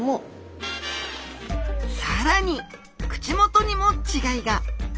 更に口元にも違いが。